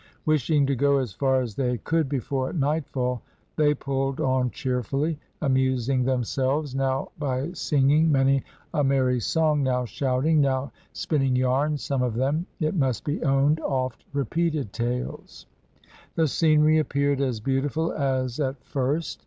Wishing to go as far as they could before nightfall they pulled on cheerfully, amusing themselves, now by singing many a merry song, now shouting, now spinning yarns, some of them, it must be owned, oft repeated tales. The scenery appeared as beautiful as at first.